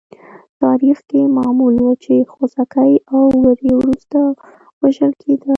تاریخ کې معمول وه چې خوسکي او وری وروسته وژل کېدل.